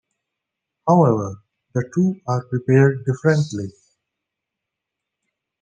However, the two are prepared differently.